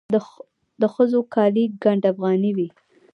د ښځو کالي ګنډ افغاني وي.